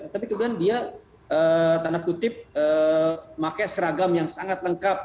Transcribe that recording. tapi kemudian dia tanda kutip pakai seragam yang sangat lengkap